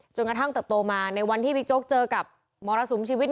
จนกระทั่งเติบโตมาในวันที่บิ๊กโจ๊กเจอกับมรสุมชีวิต